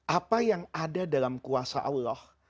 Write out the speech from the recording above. apa yang ada dalam kuasa allah